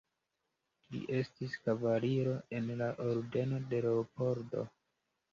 Li estis kavaliro en la Ordeno de Leopoldo.